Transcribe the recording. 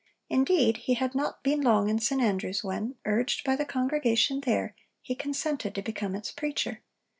Indeed he had not been long in St Andrews when, urged by the congregation there, he consented to become its preacher.